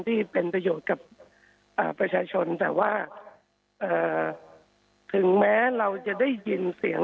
ที่เป็นประโยชน์กับประชาชนแต่ว่าถึงแม้เราจะได้ยินเสียง